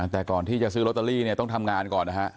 แต่ก่อนที่จะซื้อลอตเตอรี่เนี่ยต้องทำงานก่อนนะฮะ